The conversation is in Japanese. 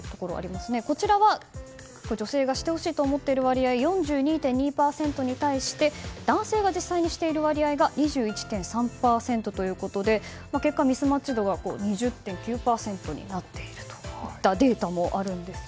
こちらは女性がしてほしいと思っている割合４２．２％に対して男性が実際にしている割合が２１．３％ということで結果、ミスマッチ度２０．９％になっているデータもあります。